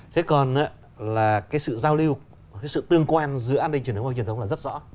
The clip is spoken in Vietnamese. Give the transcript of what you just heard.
thế còn là cái sự giao lưu cái sự tương quan giữa an ninh truyền thống và truyền thống là rất rõ